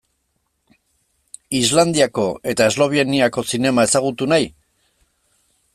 Islandiako eta Esloveniako zinema ezagutu nahi?